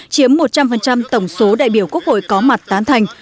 chiếm một trăm linh tổng số đại biểu quốc hội có mặt tán thành